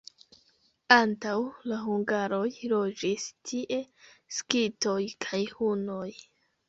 Antaŭ la hungaroj loĝis tie skitoj kaj hunoj.